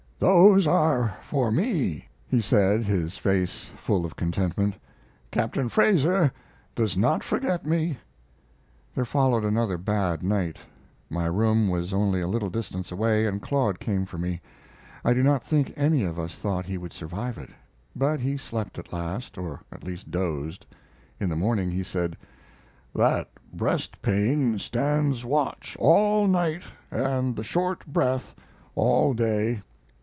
"Those are for me," he said, his face full of contentment. "Captain Fraser does not forget me." There followed another bad night. My room was only a little distance away, and Claude came for me. I do not think any of us thought he would survive it; but he slept at last, or at least dozed. In the morning he said: "That breast pain stands watch all night and the short breath all day.